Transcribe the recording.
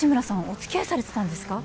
お付き合いされてたんですか？